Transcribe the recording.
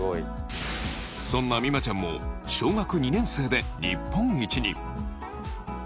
そんな美誠ちゃんも小学２年生で日本一に。